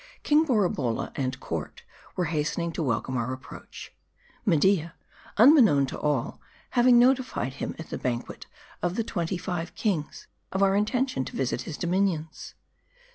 King Borabolla and court were hastening to welcome our approach ; Media, unbeknown to all, having notified him at the Banquet of the Five and Twenty Kings, of our inten tion to visit his dominions.